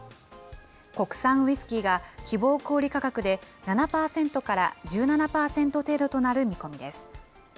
国産ウイスキーが希望小売り価格で７％から１７％程度となる見込みです。